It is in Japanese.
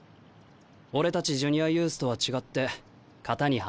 俺たちジュニアユースとは違って型にはまってない。